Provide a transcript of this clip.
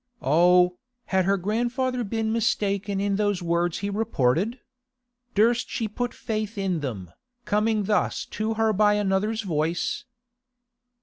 Oh, had her grandfather been mistaken in those words he reported? Durst she put faith in them, coming thus to her by another's voice?